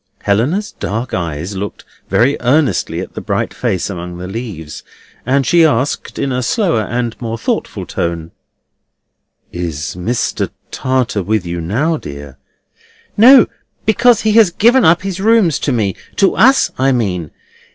Helena's dark eyes looked very earnestly at the bright face among the leaves, and she asked, in a slower and more thoughtful tone: "Is Mr. Tartar with you now, dear?" "No; because he has given up his rooms to me—to us, I mean.